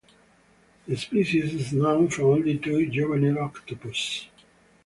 The species is known from only two juvenile octopuses.